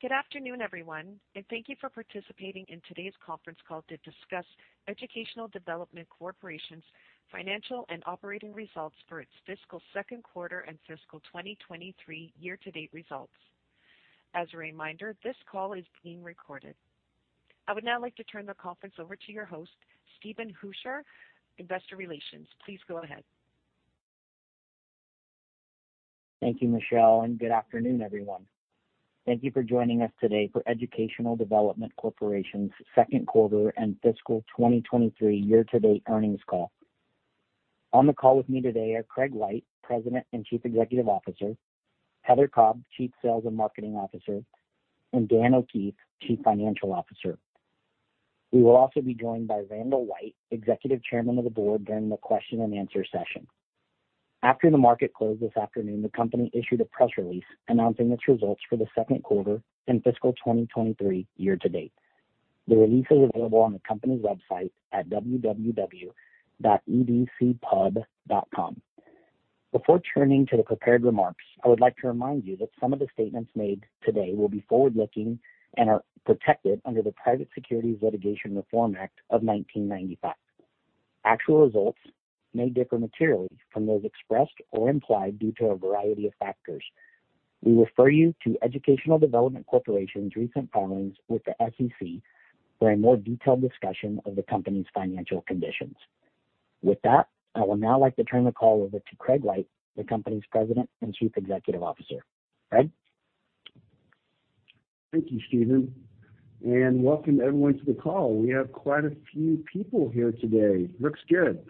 Good afternoon, everyone, and thank you for participating in today's conference call to discuss Educational Development Corporation's financial and operating results for its fiscal second quarter and fiscal 2023 year-to-date results. As a reminder, this call is being recorded. I would now like to turn the conference over to your host, Steven Hooser, Investor Relations. Please go ahead. Thank you, Michelle, and good afternoon, everyone. Thank you for joining us today for Educational Development Corporation's second quarter and fiscal 2023 year-to-date earnings call. On the call with me today are Craig White, President and Chief Executive Officer, Heather Cobb, Chief Sales and Marketing Officer, and Dan O'Keefe, Chief Financial Officer. We will also be joined by Randall White, Executive Chairman of the Board during the question-and-answer session. After the market closed this afternoon, the company issued a press release announcing its results for the second quarter and fiscal 2023 year to date. The release is available on the company's website at www.edcpub.com. Before turning to the prepared remarks, I would like to remind you that some of the statements made today will be forward-looking and are protected under the Private Securities Litigation Reform Act of 1995. Actual results may differ materially from those expressed or implied due to a variety of factors. We refer you to Educational Development Corporation's recent filings with the SEC for a more detailed discussion of the company's financial conditions. With that, I would now like to turn the call over to Craig White, the company's President and Chief Executive Officer. Craig? Thank you, Steven Hooser, and welcome everyone to the call. We have quite a few people here today. Looks good.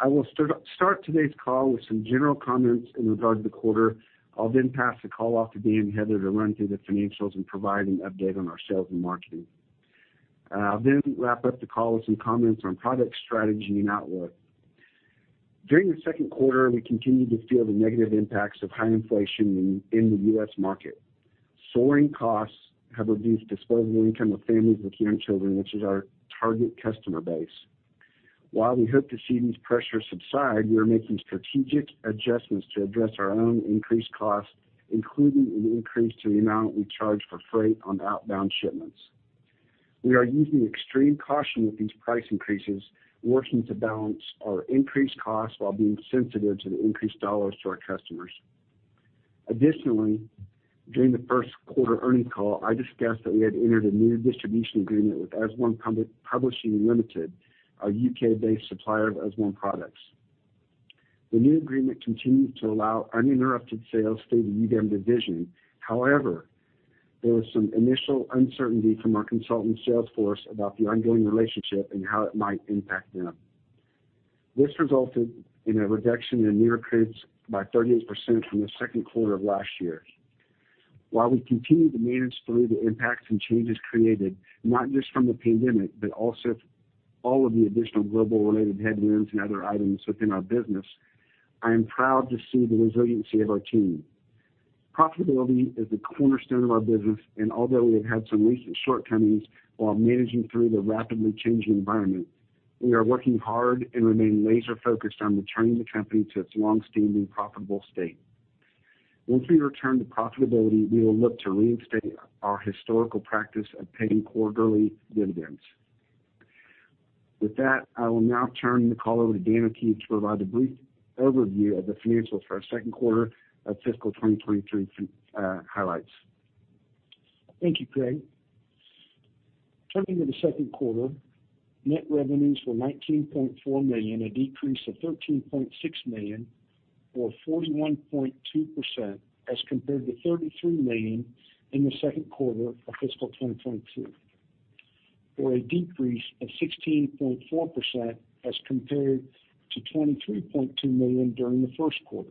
I will start today's call with some general comments in regard to the quarter. I'll then pass the call off to Dan O'Keefe and Heather Cobb to run through the financials and provide an update on our sales and marketing. Then wrap up the call with some comments on product strategy and outlook. During the second quarter, we continued to feel the negative impacts of high inflation in the U.S. market. Soaring costs have reduced disposable income of families with young children, which is our target customer base. While we hope to see these pressures subside, we are making strategic adjustments to address our own increased costs, including an increase to the amount we charge for freight on outbound shipments. We are using extreme caution with these price increases, working to balance our increased costs while being sensitive to the increased dollars to our customers. Additionally, during the first quarter earnings call, I discussed that we had entered a new distribution agreement with Usborne Publishing Limited, a UK-based supplier of Usborne products. The new agreement continued to allow uninterrupted sales through the UBAM division. However, there was some initial uncertainty from our consultant sales force about the ongoing relationship and how it might impact them. This resulted in a reduction in new recruits by 38% from the second quarter of last year. While we continue to manage through the impacts and changes created, not just from the pandemic, but also all of the additional global-related headwinds and other items within our business, I am proud to see the resiliency of our team. Profitability is the cornerstone of our business, and although we have had some recent shortcomings while managing through the rapidly changing environment, we are working hard and remain laser-focused on returning the company to its longstanding profitable state. Once we return to profitability, we will look to reinstate our historical practice of paying quarterly dividends. With that, I will now turn the call over to Dan O'Keefe to provide a brief overview of the financials for our second quarter of fiscal 2023 highlights. Thank you, Craig. Turning to the second quarter, net revenues were $19.4 million, a decrease of $13.6 million or 41.2% as compared to $33 million in the second quarter of fiscal 2022, or a decrease of 16.4% as compared to $23.2 million during the first quarter.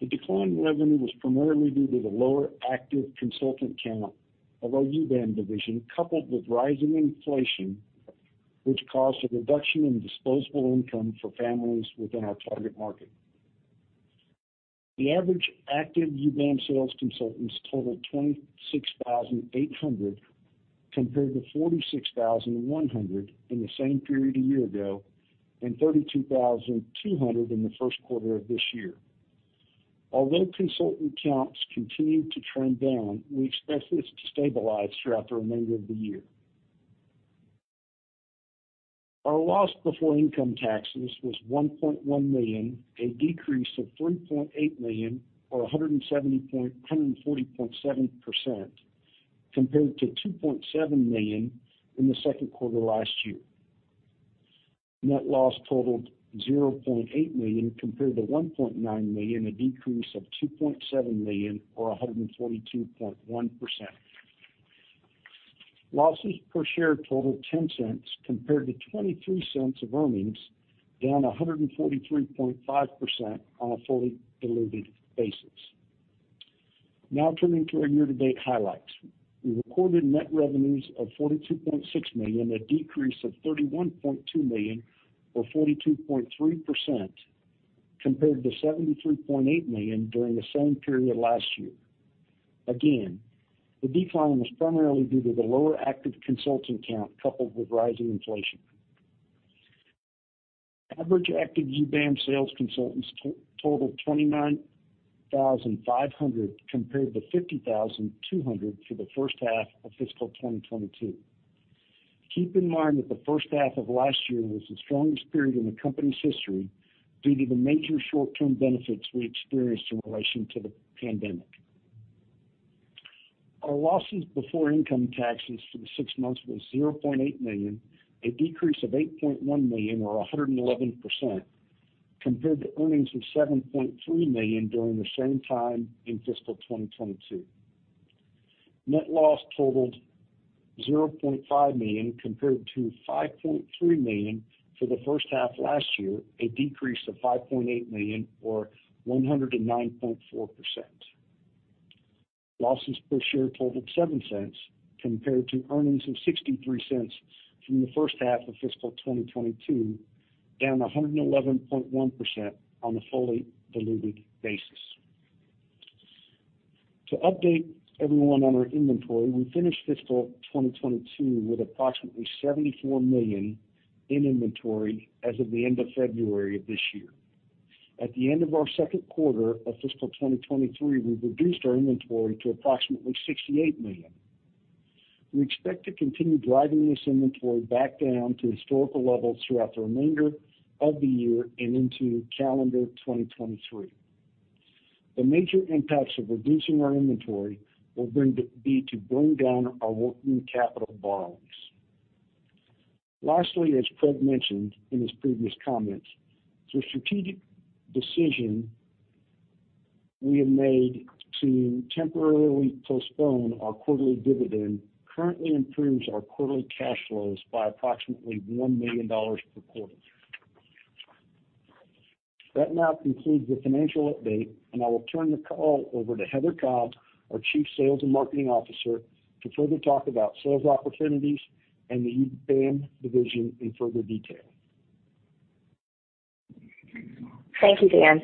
The decline in revenue was primarily due to the lower active consultant count of our UBAM division, coupled with rising inflation, which caused a reduction in disposable income for families within our target market. The average active UBAM sales consultants totaled 26,800 compared to 46,100 in the same period a year ago and 32,200 in the first quarter of this year. Although consultant counts continued to trend down, we expect this to stabilize throughout the remainder of the year. Our loss before income taxes was $1.1 million, a decrease of $3.8 million or 140.7% compared to $2.7 million in the second quarter last year. Net loss totaled $0.8 million compared to $1.9 million, a decrease of $2.7 million or 142.1%. Losses per share totaled $0.10 compared to $0.23 of earnings, down 143.5% on a fully diluted basis. Now turning to our year-to-date highlights. We recorded net revenues of $42.6 million, a decrease of $31.2 million or 42.3% compared to $73.8 million during the same period last year. Again, the decline was primarily due to the lower active consultant count coupled with rising inflation. Average active UBAM sales consultants totaled 29,500 compared to 50,200 for the first half of fiscal 2022. Keep in mind that the first half of last year was the strongest period in the company's history due to the major short-term benefits we experienced in relation to the pandemic. Our losses before income taxes for the six months was $0.8 million, a decrease of $8.1 million or 111% compared to earnings of $7.3 million during the same time in fiscal 2022. Net loss totaled $0.5 million compared to $5.3 million for the first half last year, a decrease of $5.8 million or 109.4%. Losses per share totaled $0.07 compared to earnings of $0.63 from the first half of fiscal 2022, down 111.1% on a fully diluted basis. To update everyone on our inventory, we finished fiscal 2022 with approximately $74 million in inventory as of the end of February of this year. At the end of our second quarter of fiscal 2023, we reduced our inventory to approximately $68 million. We expect to continue driving this inventory back down to historical levels throughout the remainder of the year and into calendar 2023. The major impacts of reducing our inventory will be to bring down our working capital borrowings. Lastly, as Craig mentioned in his previous comments, the strategic decision we have made to temporarily postpone our quarterly dividend currently improves our quarterly cash flows by approximately $1 million per quarter. That now concludes the financial update, and I will turn the call over to Heather Cobb, our Chief Sales and Marketing Officer, to further talk about sales opportunities and the UBAM division in further detail. Thank you, Dan.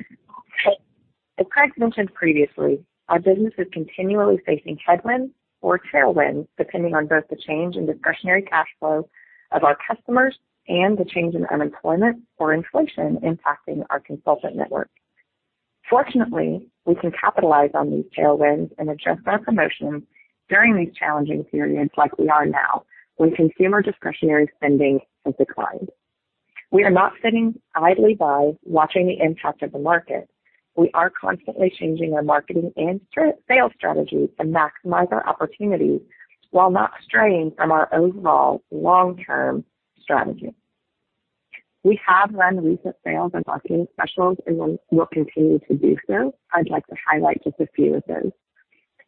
As Craig mentioned previously, our business is continually facing headwinds or tailwinds, depending on both the change in discretionary cash flow of our customers and the change in unemployment or inflation impacting our consultant network. Fortunately, we can capitalize on these tailwinds and adjust our promotions during these challenging periods like we are now, when consumer discretionary spending has declined. We are not sitting idly by watching the impact of the market. We are constantly changing our marketing and sales strategies to maximize our opportunities while not straying from our overall long-term strategy. We have run recent sales and marketing specials and will continue to do so. I'd like to highlight just a few of those.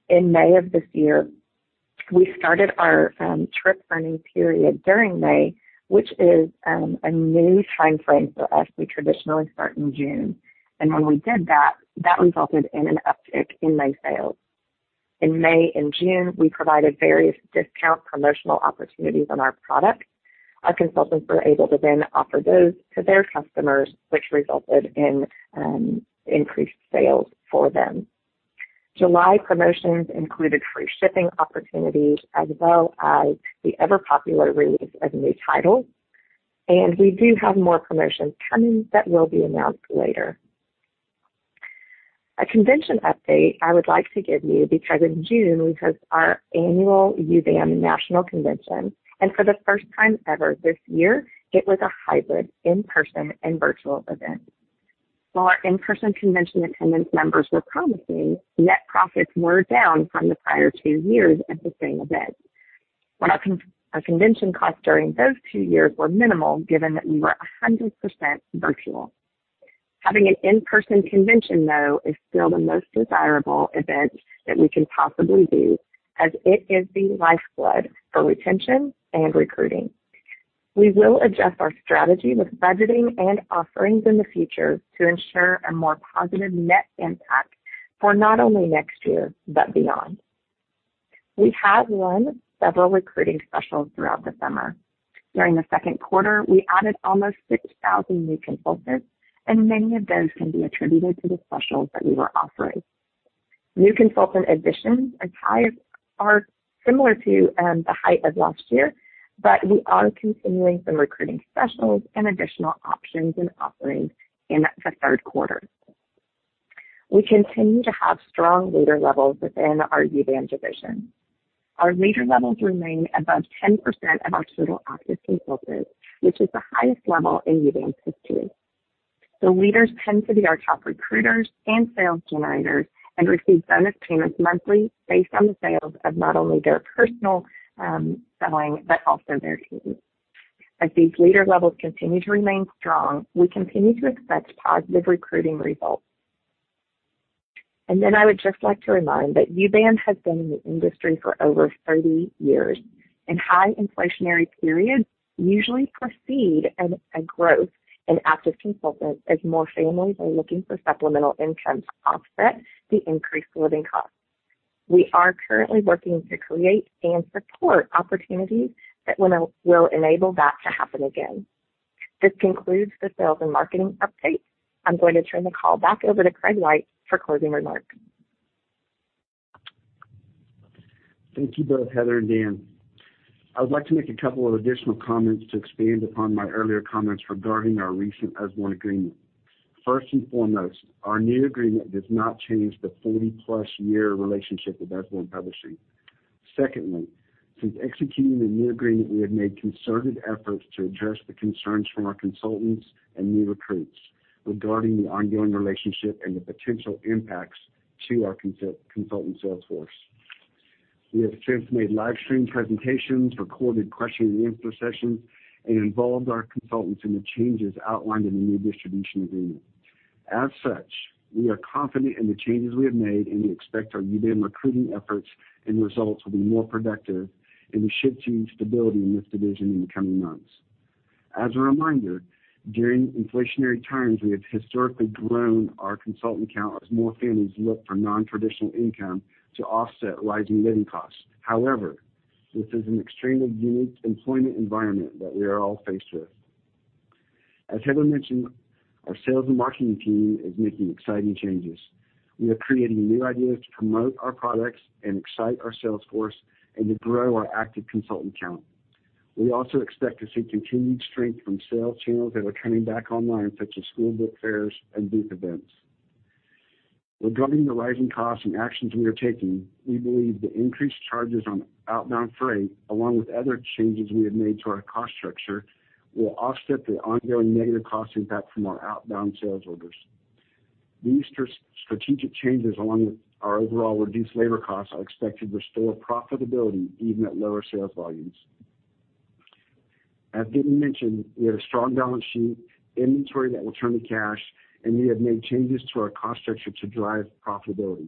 In May of this year, we started our trip planning period during May, which is a new time frame for us. We traditionally start in June. When we did that resulted in an uptick in May sales. In May and June, we provided various discount promotional opportunities on our products. Our consultants were able to then offer those to their customers, which resulted in increased sales for them. July promotions included free shipping opportunities as well as the ever-popular release of new titles, and we do have more promotions coming that will be announced later. A convention update I would like to give you because in June, we held our annual UBAM National Convention, and for the first time ever this year, it was a hybrid in-person and virtual event. While our in-person convention attendance numbers were promising, net profits were down from the prior two years at the same event. When our convention costs during those two years were minimal, given that we were 100% virtual. Having an in-person convention, though, is still the most desirable event that we can possibly do as it is the lifeblood for retention and recruiting. We will adjust our strategy with budgeting and offerings in the future to ensure a more positive net impact for not only next year but beyond. We have run several recruiting specials throughout the summer. During the second quarter, we added almost 6,000 new consultants, and many of those can be attributed to the specials that we were offering. New consultant additions and hires are similar to the height of last year, but we are continuing some recruiting specials and additional options and offerings in the third quarter. We continue to have strong leader levels within our UBAM division. Our leader levels remain above 10% of our total active consultants, which is the highest level in UBAM's history. The leaders tend to be our top recruiters and sales generators and receive bonus payments monthly based on the sales of not only their personal selling, but also their team. As these leader levels continue to remain strong, we continue to expect positive recruiting results. I would just like to remind that UBAM has been in the industry for over 30 years, and high inflationary periods usually precede a growth in active consultants as more families are looking for supplemental income to offset the increased living costs. We are currently working to create and support opportunities that will enable that to happen again. This concludes the sales and marketing update. I'm going to turn the call back over to Craig White for closing remarks. Thank you both, Heather and Dan. I would like to make a couple of additional comments to expand upon my earlier comments regarding our recent Usborne agreement. First and foremost, our new agreement does not change the 40-plus year relationship with Usborne Publishing. Secondly, since executing the new agreement, we have made concerted efforts to address the concerns from our consultants and new recruits regarding the ongoing relationship and the potential impacts to our consultant sales force. We have since made live stream presentations, recorded question-and-answer sessions, and involved our consultants in the changes outlined in the new distribution agreement. As such, we are confident in the changes we have made, and we expect our UBAM recruiting efforts and results will be more productive and we should see stability in this division in the coming months. As a reminder, during inflationary times, we have historically grown our consultant count as more families look for non-traditional income to offset rising living costs. However, this is an extremely unique employment environment that we are all faced with. As Heather mentioned, our sales and marketing team is making exciting changes. We are creating new ideas to promote our products and excite our sales force and to grow our active consultant count. We also expect to see continued strength from sales channels that are coming back online, such as school book fairs and booth events. Regarding the rising costs and actions we are taking, we believe the increased charges on outbound freight, along with other changes we have made to our cost structure, will offset the ongoing negative cost impact from our outbound sales orders. These strategic changes, along with our overall reduced labor costs, are expected to restore profitability even at lower sales volumes. As Dan mentioned, we have a strong balance sheet, inventory that will turn to cash, and we have made changes to our cost structure to drive profitability.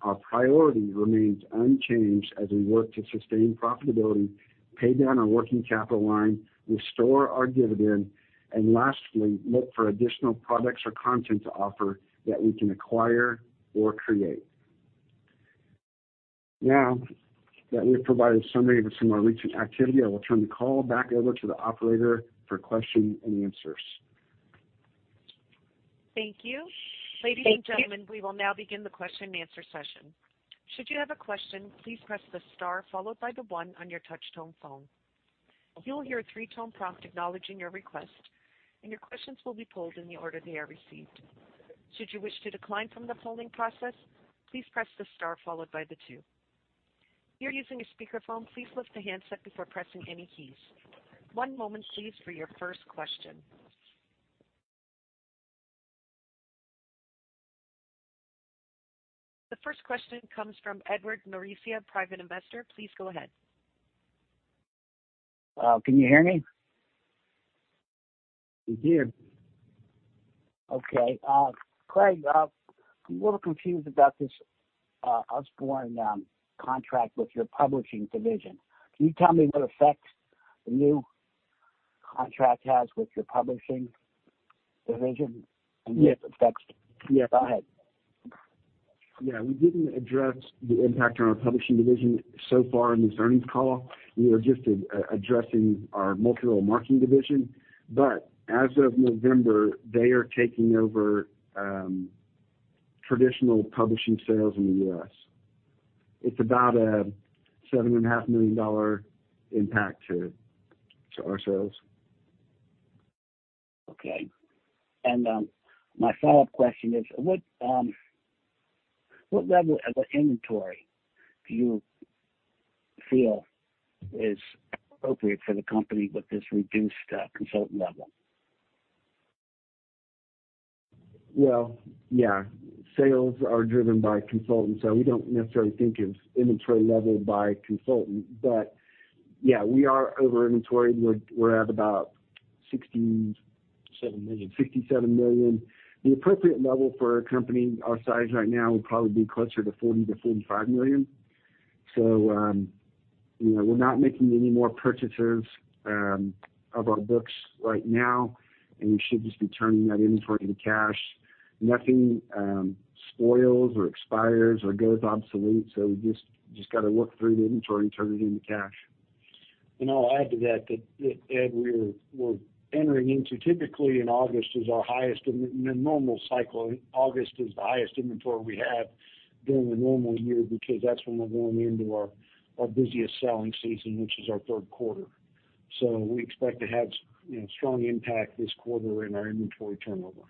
Our priority remains unchanged as we work to sustain profitability, pay down our working capital line, restore our dividend, and lastly, look for additional products or content to offer that we can acquire or create. Now that we've provided a summary of some of our recent activity, I will turn the call back over to the operator for question-and-answers. Thank you. Ladies and gentlemen, we will now begin the question and answer session. Should you have a question, please press the star followed by the one on your touch tone phone. You'll hear a three-tone prompt acknowledging your request, and your questions will be pulled in the order they are received. Should you wish to decline from the polling process, please press the star followed by the two. If you're using a speakerphone, please lift the handset before pressing any keys. One moment please for your first question. The first question comes from Edward Moricia, Private investor. Please go ahead. Can you hear me? We can. Okay, Craig, I'm a little confused about this Usborne contract with your publishing division. Can you tell me what effect the new contract has with your publishing division and what effects? Yeah, go ahead. Yeah, we didn't address the impact on our publishing division so far in this earnings call. We are just addressing our multi-level marketing division. As of November, they are taking over traditional publishing sales in the US. It's about a $7.5 million impact to our sales. Okay. My follow-up question is, what level of inventory do you feel is appropriate for the company with this reduced consultant level? Well, yeah, sales are driven by consultants, so we don't necessarily think of inventory level by consultant. But yeah, we are over inventory. We're at about $67 million. The appropriate level for a company our size right now would probably be closer to $40 million-$45 million. You know, we're not making any more purchases of our books right now, and we should just be turning that inventory into cash. Nothing spoils or expires or goes obsolete. We just gotta work through the inventory and turn it into cash. I'll add to that we're entering into. Typically in August is our highest in a normal cycle. August is the highest inventory we have during the normal year because that's when we're going into our busiest selling season, which is our third quarter. We expect to have, you know, strong impact this quarter in our inventory turnover.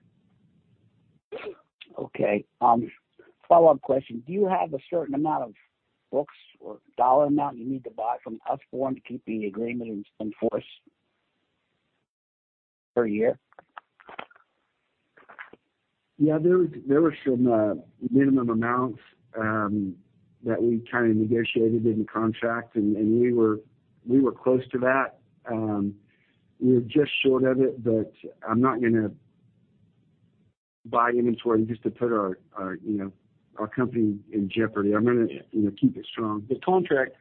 Okay. Follow-up question. Do you have a certain amount of books or dollar amount you need to buy from Usborne to keep the agreement in force per year? Yeah, there were some minimum amounts that we kind of negotiated in the contract, and we were close to that. We were just short of it, but I'm not gonna buy inventory just to put our company in jeopardy. I'm gonna keep it strong. The contract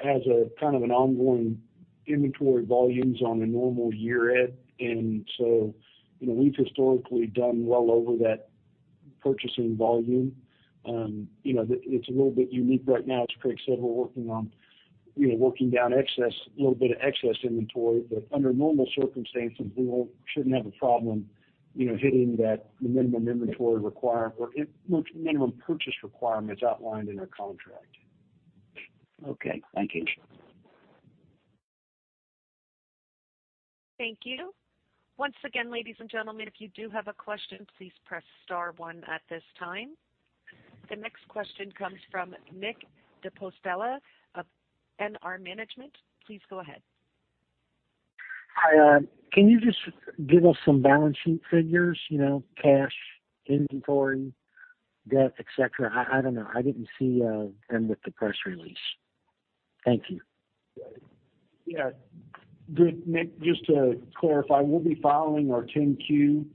has a kind of an ongoing inventory volumes on a normal year end. We've historically done well over that purchasing volume. It's a little bit unique right now. As Craig said, we're working on, you know, working down excess, a little bit of excess inventory. Under normal circumstances, we shouldn't have a problem, you know, hitting that minimum purchase requirements outlined in our contract. Okay. Thank you. Thank you. Once again, ladies and gentlemen, if you do have a question, please press star one at this time. The next question comes from Nick DePostella of NR Management. Please go ahead. Hi. Can you just give us some balance sheet figures, you know, cash, inventory, debt, et cetera? I don't know. I didn't see them with the press release. Thank you. Yeah. Nick, just to clarify, we'll be filing our 10-Q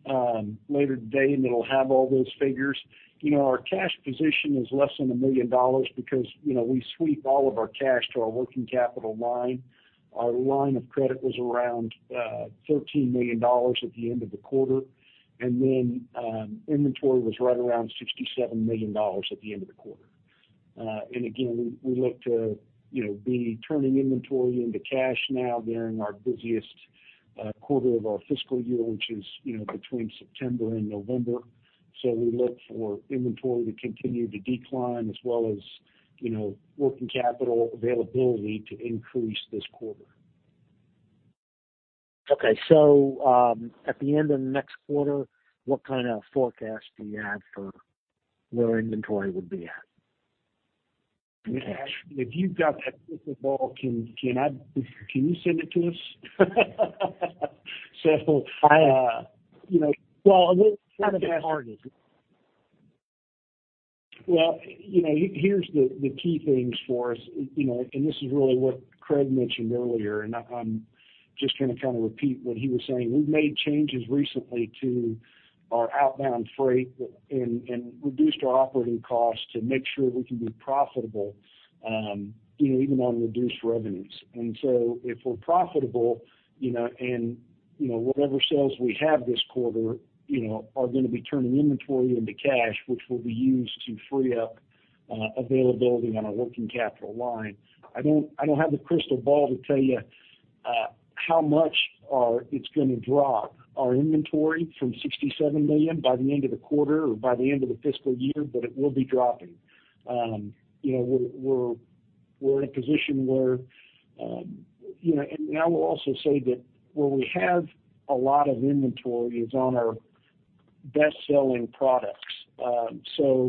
later today, and it'll have all those figures. You know, our cash position is less than $1 million because, you know, we sweep all of our cash to our working capital line. Our line of credit was around $13 million at the end of the quarter, and then inventory was right around $67 million at the end of the quarter. Again, we look to, you know, be turning inventory into cash now during our busiest quarter of our fiscal year, which is, you know, between September and November. We look for inventory to continue to decline as well as, you know, working capital availability to increase this quarter. Okay. At the end of next quarter, what kind of forecast do you have for where inventory would be at? If you've got that crystal ball, can you send it to us? I, you know. Well, kind of targeted. Well, you know, here's the key things for us, you know, and this is really what Craig mentioned earlier, and I'm just gonna kind of repeat what he was saying. We've made changes recently to our outbound freight and reduced our operating costs to make sure we can be profitable, you know, even on reduced revenues. If we're profitable, you know, and you know, whatever sales we have this quarter, you know, are gonna be turning inventory into cash, which will be used to free up availability on our working capital line. I don't have the crystal ball to tell you how much it's gonna drop our inventory from $67 million by the end of the quarter or by the end of the fiscal year, but it will be dropping. You know, we're in a position where, you know. I will also say that where we have a lot of inventory is on our best-selling products. When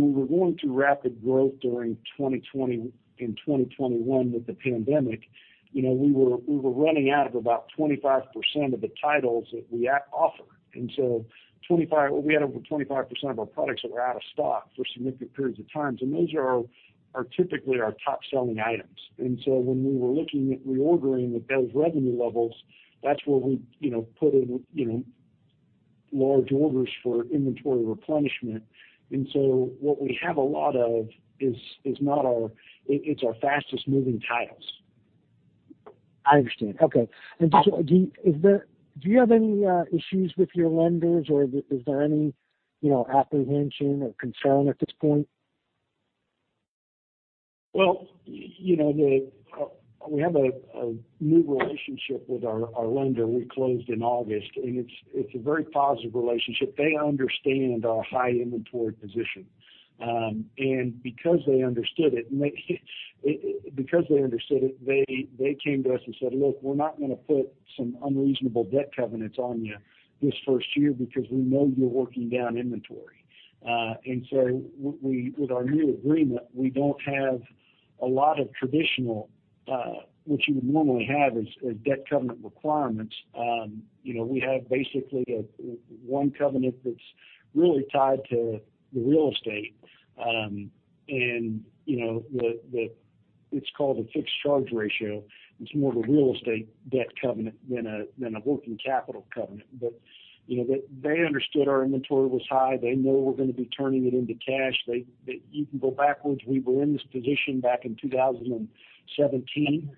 we were going through rapid growth during 2020 and 2021 with the pandemic, you know, we were running out of about 25% of the titles that we offer. We had over 25% of our products that were out of stock for significant periods of time, and those are typically our top-selling items. When we were looking at reordering at those revenue levels, that's where we, you know, put in, you know, large orders for inventory replenishment. What we have a lot of is, it's our fastest moving titles. I understand. Okay. Do you have any issues with your lenders, or is there any, you know, apprehension or concern at this point? Well, you know, we have a new relationship with our lender we closed in August, and it's a very positive relationship. They understand our high inventory position. Because they understood it, they came to us and said, "Look, we're not gonna put some unreasonable debt covenants on you this first year because we know you're working down inventory." With our new agreement, we don't have a lot of traditional which you would normally have as debt covenant requirements. You know, we have basically one covenant that's really tied to the real estate. You know, it's called a fixed charge ratio. It's more of a real estate debt covenant than a working capital covenant. You know, they understood our inventory was high. They know we're gonna be turning it into cash. You can go backwards. We were in this position back in 2017,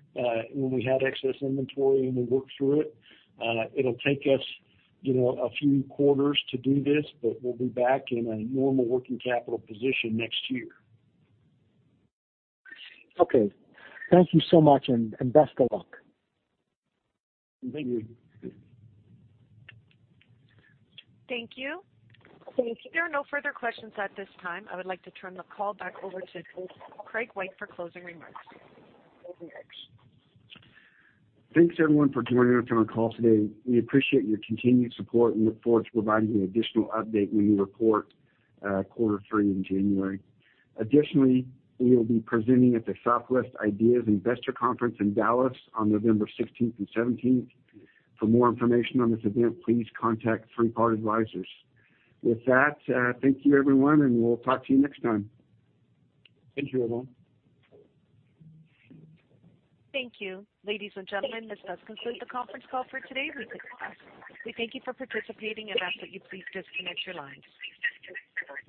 when we had excess inventory, and we worked through it. It'll take us, you know, a few quarters to do this, but we'll be back in a normal working capital position next year. Okay. Thank you so much, and best of luck. Thank you. Thank you. If there are no further questions at this time, I would like to turn the call back over to Craig White for closing remarks. Thanks, everyone, for joining us on our call today. We appreciate your continued support and look forward to providing an additional update when we report quarter three in January. Additionally, we will be presenting at the Southwest IDEAS Investor Conference in Dallas on November sixteenth and seventeenth. For more information on this event, please contact Three Part Advisors. With that, thank you, everyone, and we'll talk to you next time. Thank you, everyone. Thank you. Ladies and gentlemen, this does conclude the conference call for today. We thank you for participating and ask that you please disconnect your lines. Please disconnect your lines.